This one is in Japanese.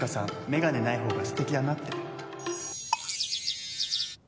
眼鏡ないほうが素敵だなって。